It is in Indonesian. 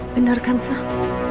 bener kan sam